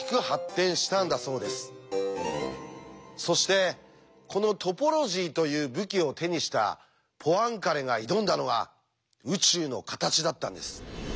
そしてこのトポロジーという武器を手にしたポアンカレが挑んだのが宇宙の形だったんです。